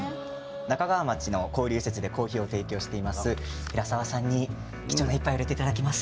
那珂川町の交流施設でコーヒーを提供しています平澤さんに貴重な１杯をいれていただきます。